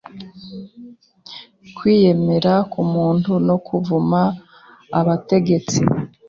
kwiyemera ku muntu nokuvuma Abategetsi